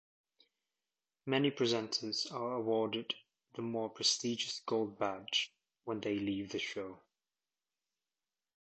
Many presenters are awarded the more prestigious "gold badge" when they leave the show.